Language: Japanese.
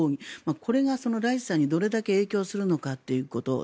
これがライシさんにどれだけ影響するのかということ。